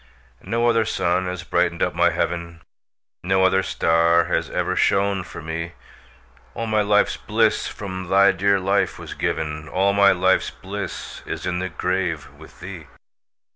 No other sun has brightened up my heaven, No other star has ever shone for me; All my life's bliss from thy dear life was given, All my life's bliss is in the grave with thee.